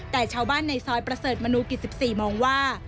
แต่ชาวบ้านในซอยประเสริฐมนุกิจ๑๔มองว่า